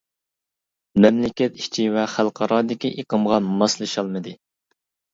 مەملىكەت ئىچى ۋە خەلقئارادىكى ئېقىمغا ماسلىشالمىدى.